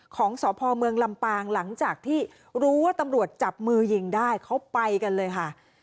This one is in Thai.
ของสพเมืองลำปางหลังจากที่รู้ว่าตำรวจจับมือยิงได้เขาไปกันเลยค่ะ